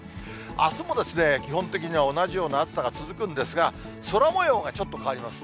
あすも基本的には同じような暑さが続くんですが、空もようがちょっと変わります。